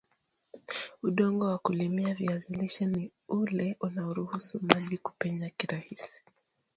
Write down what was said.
udongo wa kulimia viazi lishe ni ule unaoruhusu maji kupenya kirahisi